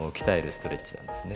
ストレッチなんですね。